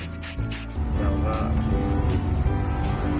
เราก็